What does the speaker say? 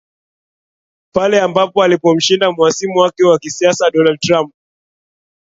Pale ambapo alipomshinda mhasimu wake wa kisiasa Donald Trump